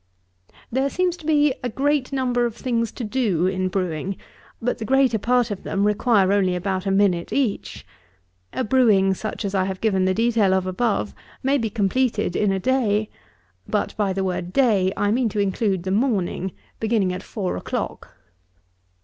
67. There seems to be a great number of things to do in brewing, but the greater part of them require only about a minute each. A brewing, such as I have given the detail of above, may be completed in a day; but, by the word day, I mean to include the morning, beginning at four o'clock.